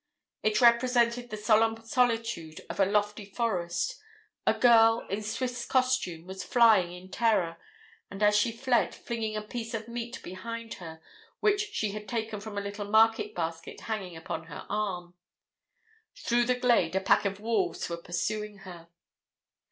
It represented the solemn solitude of a lofty forest; a girl, in Swiss costume, was flying in terror, and as she fled flinging a piece of meat behind her which she had taken from a little market basket hanging upon her arm. Through the glade a pack of wolves were pursuing her.